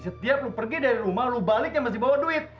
setiap lo pergi dari rumah lo baliknya masih bawa duit